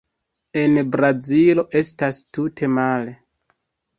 En Brazilo estas tute male.